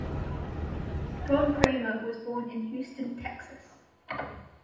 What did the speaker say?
John Cramer was born in Houston, Texas.